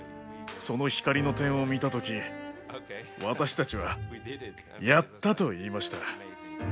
その光の点を見たとき私たちは「やった！」と言いました。